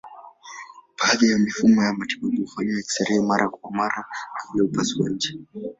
Baadhi ya mifumo ya matibabu hufanya eksirei mara kwa mara kabla ya upasuaji.